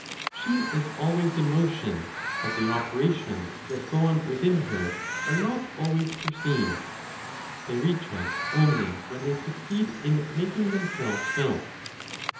She is always in motion; but the operations that go on within her are not always perceived; they reach us only when they succeed in making themselves felt.